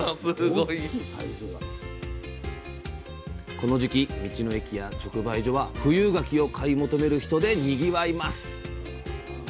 この時期道の駅や直販所は富有柿を買い求める人でにぎわいます。